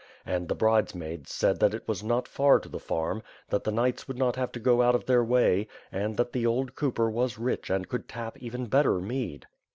And the bridesmaids said that it was not far to the farm; that the knights would not have to go out of their way; and that the old cooper was rich and could tap even better mead.